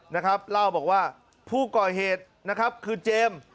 นะครับเล่าบอกว่าผู้ก่อเหตุนะครับคือเจมส์